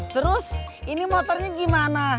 terus ini motornya gimana